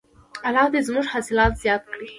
الله دې زموږ حاصلات زیات کړي.